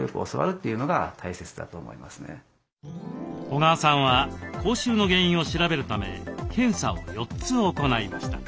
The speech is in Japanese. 小川さんは口臭の原因を調べるため検査を４つ行いました。